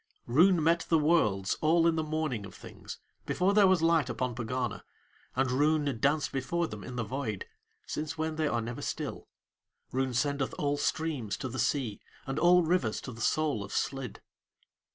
Roon met the Worlds all in the morning of Things, before there was light upon Pegana, and Roon danced before them in the Void, since when they are never still, Roon sendeth all streams to the Sea, and all the rivers to the soul of Slid.